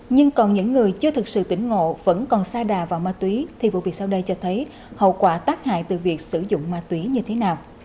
nhưng còn những người chưa thực sự tỉnh ngộ vẫn còn xa đà vào ma túy thì vụ việc sau đây cho thấy hậu quả tác hại từ việc sử dụng ma túy như thế nào